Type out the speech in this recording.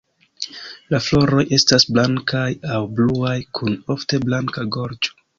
La floroj estas blankaj aŭ bluaj kun ofte blanka gorĝo.